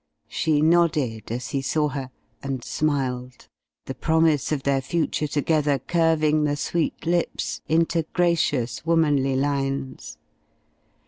She nodded as he saw her, and smiled, the promise of their future together curving the sweet lips into gracious, womanly lines.